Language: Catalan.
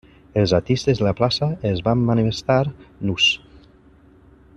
Els artistes de la plaça es van manifestar nus.